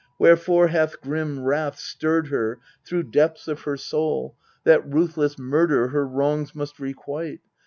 wherefore hath grim Wrath stirred her Through depths of her soul, that ruthless murder Her wrongs must requite